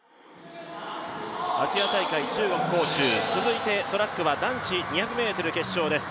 アジア大会中国・杭州、続いてトラックは男子２００ｍ決勝です。